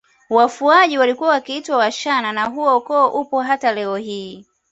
Wafuaji walikuwa wakiitwa Washana na huo ukoo upo hata leo hii